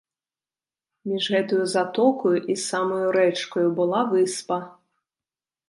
Між гэтаю затокаю і самаю рэчкаю была выспа.